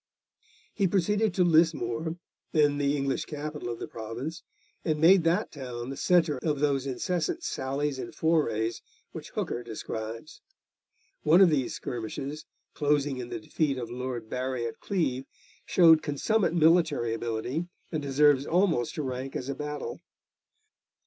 He proceeded to Lismore, then the English capital of the province, and made that town the centre of those incessant sallies and forays which Hooker describes. One of these skirmishes, closing in the defeat of Lord Barry at Cleve, showed consummate military ability, and deserves almost to rank as a battle.